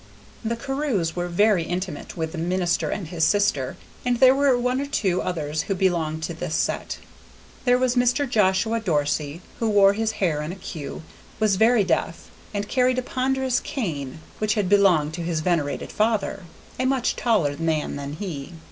The Carews were very intimate with the minister and his sister, and there were one or two others who belonged to this set. There was Mr. Joshua Dorsey, who wore his hair in a queue, was very deaf, and carried a ponderous cane which had belonged to his venerated father, a much taller man than he.